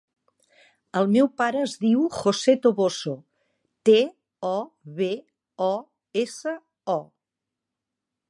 El meu pare es diu José Toboso: te, o, be, o, essa, o.